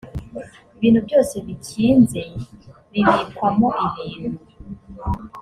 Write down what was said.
ibintu byose bikinze bibikwamo ibintu